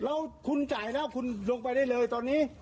แล้วคุณจ่ายแล้วคุณลงไปได้เลยตอนนี้